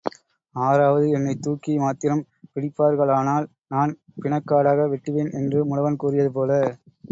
ஆராவது என்னைத் தூக்கி மாத்திரம் பிடிப்பார்களானால் நான் பிணக்காடாக வெட்டுவேன் என்று முடவன் கூறியது போல.